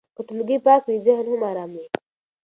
که ټولګی پاک وي، ذهن هم ارام وي.